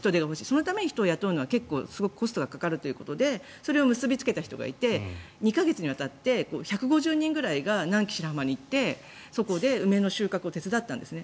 そのために人を雇うのはコストがかかるということで結びつけた人がいて２か月にわたって１５０人くらいが南紀白浜に行ってそこで梅の収穫を手伝ったんですね。